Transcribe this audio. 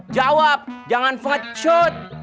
jawab jangan fucut